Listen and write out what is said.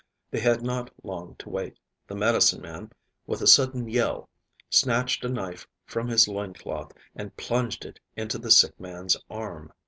They had not long to wait. The medicine man, with a sudden yell, snatched a knife from his loin cloth and plunged it into the sick man's arm.